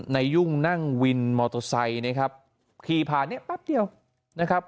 ในยุ่งนั่งวินมอโตซัยนะครับขี่ผ่านเนี่ยแป๊บเดียวนะครับ